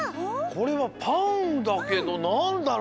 これはパンだけどなんだろう？